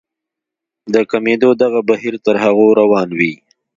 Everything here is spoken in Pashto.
د کمېدو دغه بهير تر هغو روان وي.